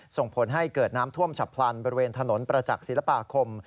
ส่งผลให้เกิดน้ำท่วมฉับพลันบริเวณถนนประจักษ์ศิลปาคม